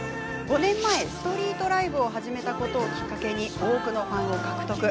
５年前、ストリートライブを始めたことをきっかけに多くのファンを獲得。